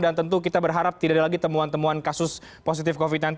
tentu kita berharap tidak ada lagi temuan temuan kasus positif covid sembilan belas